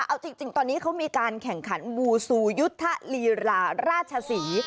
เอาจริงตอนนี้เขามีการแข่งขันบูซูยุทธลีราชศรี